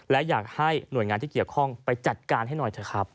และอยากให้หน่วยงานที่เกี่ยวข้องไปจัดการให้หน่อยเถอะครับ